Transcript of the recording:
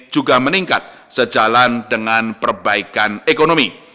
juga meningkat sejalan dengan perbaikan ekonomi